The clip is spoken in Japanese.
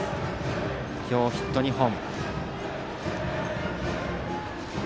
今日ヒット２本。